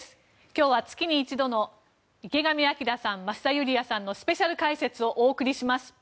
今日は月に一度の池上彰さん、増田ユリヤさんのスペシャル解説をお送りします。